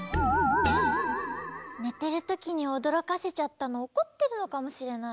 ねてるときにおどろかせちゃったのおこってるのかもしれない。